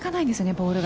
ボールが。